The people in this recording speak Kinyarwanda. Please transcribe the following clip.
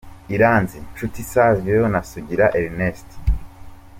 Iranzi, Nshuti Savio na Sugira Ernest.